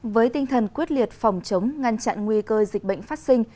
với tinh thần quyết liệt phòng chống ngăn chặn nguy cơ dịch bệnh phát sinh